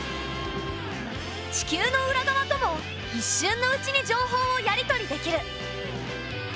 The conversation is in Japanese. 地球の裏側とも一瞬のうちに情報をやり取りできる。